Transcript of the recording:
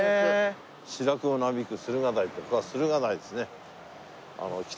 「白雲なびく駿河台」ってここは駿河台ですね。